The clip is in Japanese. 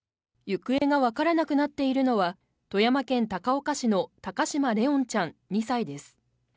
行方がわからなくなっているのは富山県高岡市の高嶋怜音ちゃん２歳です